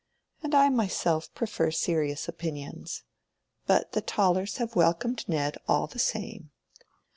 And I myself prefer serious opinions. But the Tollers have welcomed Ned all the same."